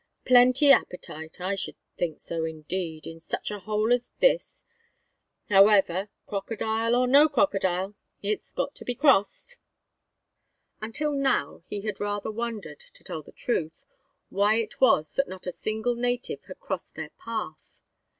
Plenty appetite? I should think so, indeed, in such a hole as this! However, crocodile or no crocodile, it's got to be crossed." Until now he had rather wondered, to tell the truth, why it was that not a single native had crossed their path.